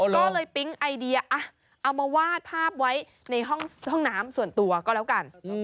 ก็เลยปิ๊งไอเดียเอามาวาดภาพไว้ในห้องน้ำส่วนตัวก็แล้วกัน